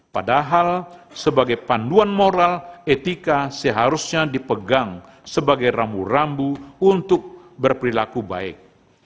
padahal sebagai panduan moral etika seharusnya dipegang sebagai rambu rambu untuk berperilaku baik